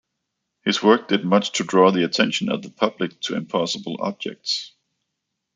His work did much to draw the attention of the public to impossible objects.